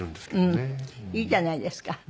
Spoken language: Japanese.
いいじゃないですか。